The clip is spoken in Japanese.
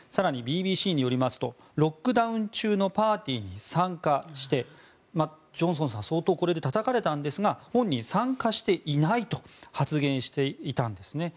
更にＢＢＣによりますとロックダウン中のパーティーに参加してジョンソンさん相当これでたたかれたんですが本人、参加していないと発言していたんですね。